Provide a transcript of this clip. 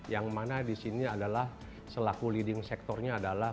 yang mana di sini adalah selaku leading sectornya adalah